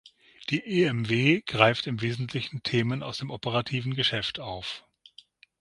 Die emw greift im Wesentlichen Themen aus dem operativen Geschäft auf.